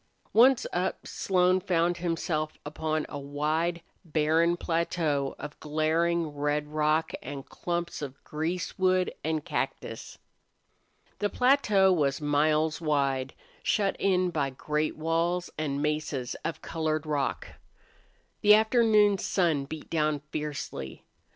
Once up, Slone found himself upon a wide, barren plateau of glaring red rock and clumps of greasewood and cactus. The plateau was miles wide, shut in by great walls and mesas of colored rock. The afternoon sun beat down fiercely.